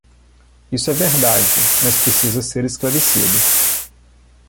Isso é verdade, mas precisa ser esclarecido.